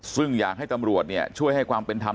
ซึ่งอยากให้ตำรวจช่วยให้ความเป็นธรรม